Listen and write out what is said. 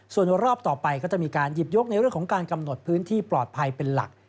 ส่วนรอบต่อไปก็จะมีการหยิบยกในเรื่องของการกำหนดพื้นที่ปลอดภัยเป็นหลัก